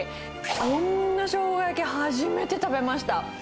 こんなショウガ焼き、初めて食べました。